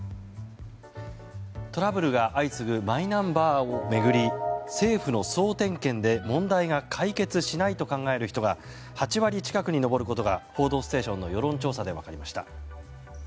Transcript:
トラブルが相次ぐマイナンバーを巡り政府の総点検で問題が解決しないと考える人が８割近くに上ることが「報道ステーション」の世論調査で分かりました。